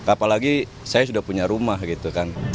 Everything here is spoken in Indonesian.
apalagi saya sudah punya rumah gitu kan